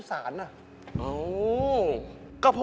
เกิดอะไรขึ้น